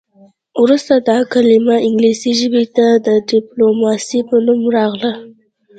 وروسته دا کلمه انګلیسي ژبې ته د ډیپلوماسي په نوم راغله